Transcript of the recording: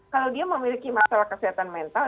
kalau dia memiliki masalah kesehatan mental